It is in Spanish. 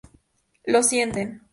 Lo sienten.